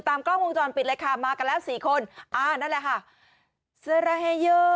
ตามกล้องวงจรปิดเลยค่ะมากันแล้วสี่คนอ่านั่นแหละค่ะ